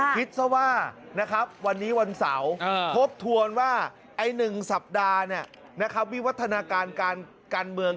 คิดซะว่านะครับวันนี้วันเสาร์ทบทวนว่าไอ้๑สัปดาห์วิวัฒนาการการเมือง